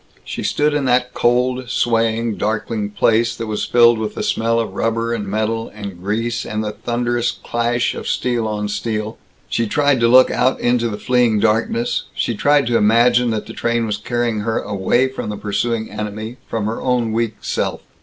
She stood in that cold, swaying, darkling place that was filled with the smell of rubber and metal and grease and the thunderous clash of steel on steel; she tried to look out into the fleeing darkness; she tried to imagine that the train was carrying her away from the pursuing enemy from her own weak self.